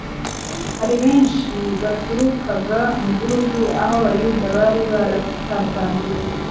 Hari benshi baturukaga mu bihugu aho Abayuda bari baratataniye